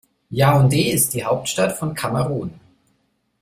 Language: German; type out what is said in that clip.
Yaoundé ist die Hauptstadt von Kamerun.